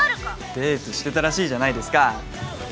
デートしてたらしいじゃないですか。